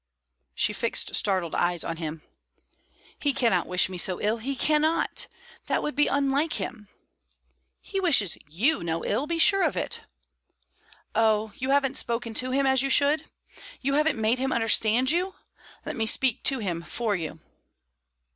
She fixed startled eyes on him. "He cannot wish me so ill he cannot! That would be unlike him." "He wishes you no ill, be sure of it." "Oh, you haven't spoken to him as you should! You haven't made him understand you. Let me speak to him for you."